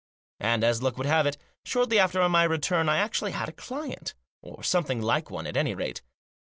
And, as luck would have it, shortly after my return I actually had a client. Or something like one, at any rate.